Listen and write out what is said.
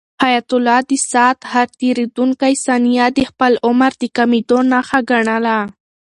حیات الله د ساعت هر تېریدونکی ثانیه د خپل عمر د کمېدو نښه ګڼله.